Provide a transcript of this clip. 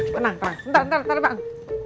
ntar ntar ntar ntar bang